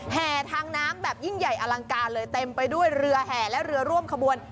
แห่ทางน้ำแบบยิ่งใหญ่อลังการเลยเต็มไปด้วยเรือแห่และเรือร่วมขบวน